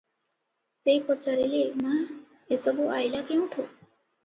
ସେ ପଚାରିଲେ ମା, ଏସବୁ ଆଇଲା କେଉଁଠୁ?